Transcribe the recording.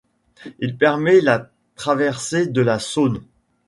Il permet la traversée de la Saône.